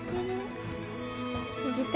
右手。